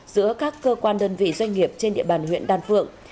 giữa các cơ quan đơn vị doanh nghiệp trên địa bàn huyện đan phượng